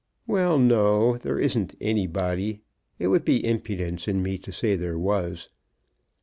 "Well; no; there isn't anybody. It would be impudence in me to say there was."